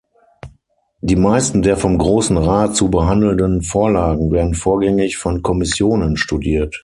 Die meisten der vom Grossen Rat zu behandelnden Vorlagen werden vorgängig von Kommissionen studiert.